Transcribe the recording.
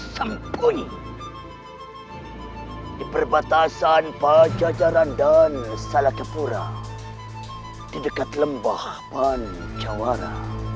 sampai di perbatasan pajajaran dan salakepura di dekat lembah pancawara